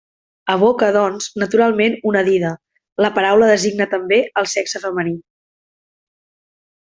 Evoca, doncs, naturalment una dida; la paraula designa també el sexe femení.